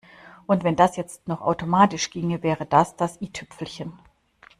Und wenn das jetzt noch automatisch ginge, wäre das das i-Tüpfelchen.